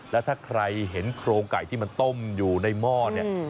แล้วถ้าใครเห็นโครงไก่ที่มันต้มอยู่ในหม้อเนี่ย